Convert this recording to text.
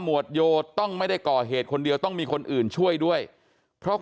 วดโยต้องไม่ได้ก่อเหตุคนเดียวต้องมีคนอื่นช่วยด้วยเพราะ